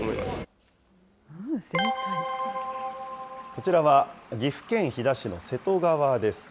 こちらは岐阜県飛騨市の瀬戸川です。